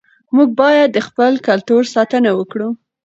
موږ باید د خپل کلتور ساتنه وکړو.